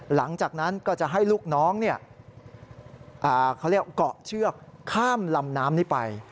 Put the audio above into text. หลังจากนั้นก็จะให้ลูกน้องเขาเรียกเกาะเชือกข้ามลำน้ำนี้ไป